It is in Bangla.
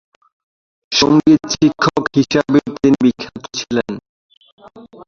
সঙ্গীত শিক্ষক হিসাবেও তিনি বিখ্যাত ছিলেন।